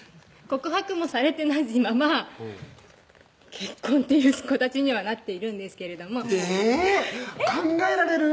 告白もされてないまま結婚っていう形にはなっているんですけれどもえぇっ考えられる？